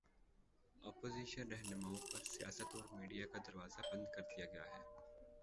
Opposition راہنماؤں پر سیاست اور میڈیا کا دروازہ بند کر دیا گیا ہے۔